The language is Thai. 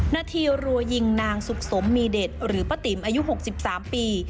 นาทีรัวยิงนางสุขสมมีเดชหรือปะติ๋มอายุหกสิบสามปี